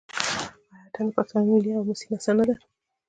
آیا اټن د پښتنو ملي او حماسي نڅا نه ده؟